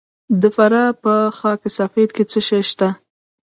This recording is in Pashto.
د فراه په خاک سفید کې څه شی شته؟